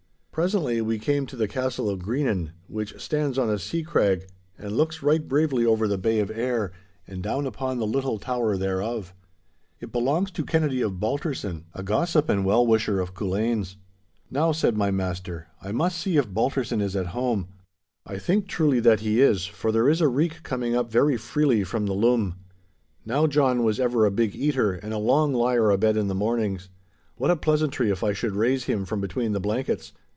Presently we came to the castle of Greenan, which stands on a sea crag, and looks right bravely over the Bay of Ayr and down upon the little town thereof. It belongs to Kennedy of Balterson, a gossip and well wisher of Culzean's. 'Now,' said my master, 'I must see if Balterson is at home. I think truly that he is, for there is a reek coming up very freely from the lum. Now John was ever a big eater and a long lier abed in the mornings. What a pleasantry if I should raise him from between the blankets!